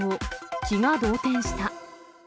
気が動転した。